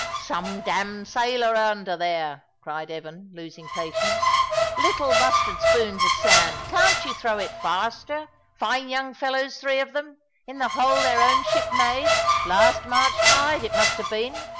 "Some damned sailor under there," cried Evan, losing patience; "little mustard spoons of sand. Can't you throw it faster? Fine young fellows three of them, in the hole their own ship made, last March tide, it must have been.